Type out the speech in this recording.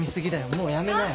もうやめなよ。